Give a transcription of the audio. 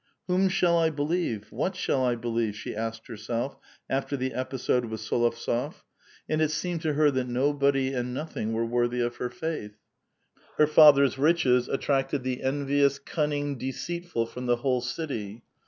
"Whom shall I believe? What shall 1 believe?" she asked herself after the episode ^^ith S61ovtsof , and it seemed A VITAL QUESTION. 421 to her that nobody and nothing were worthy of her faith. Her father's riches attracted the envious, cunning, deceitful, from the whole city.